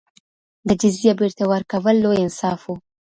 د جزيه بېرته ورکول لوی انصاف و.